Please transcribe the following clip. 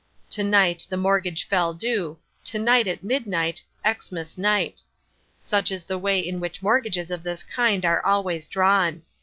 To night the mortgage fell due, to night at midnight, Xmas night. Such is the way in which mortgages of this kind are always drawn.